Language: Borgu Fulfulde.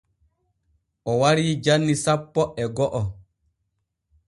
O warii janni sappo e go’o.